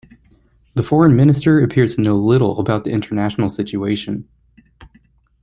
The foreign minister appears to know little about the international situation.